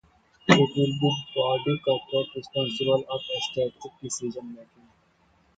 It will be a body corporate responsible for strategic decision making.